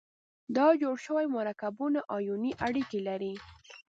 دا جوړ شوي مرکبونه آیوني اړیکې لري.